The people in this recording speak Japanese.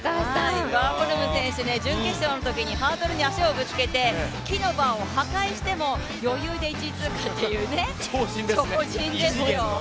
ワーホルム選手、準決勝のときにハードルに足をぶつけて木のバーを破壊しても余裕で１位通過という、超人ですよ。